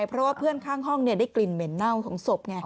เพราะว่าเพื่อนข้างห้องได้กลิ่นเหม็นเน่าของศพไง